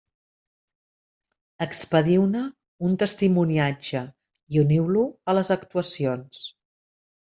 Expediu-ne un testimoniatge i uniu-lo a les actuacions.